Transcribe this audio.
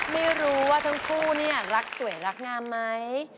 ไม่รู้ว่าทั้งคู่เนี่ยรักสวยรักงามไหม